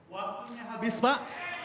waktunya habis pak